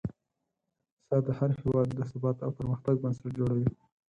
اقتصاد د هر هېواد د ثبات او پرمختګ بنسټ جوړوي.